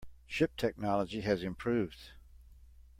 Ship technology has improved.